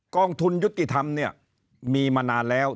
กองทุนยุติธรรมเนี่ยมีมานานแล้ว